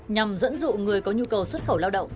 nhằm dẫn dụ người có nhu cầu xuất khẩu lao động